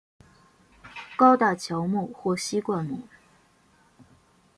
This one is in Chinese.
高大乔木或稀灌木。